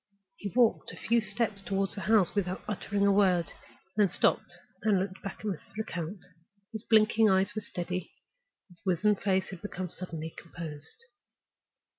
He walked a few steps toward the house without uttering a word, then stopped, and looked back at Mrs. Lecount. His blinking eyes were steady, and his wizen face had become suddenly composed.